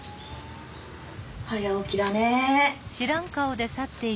早起きだね。